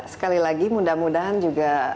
sekali lagi mudah mudahan juga